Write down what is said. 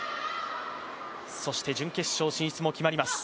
そして準決勝進出も決まります。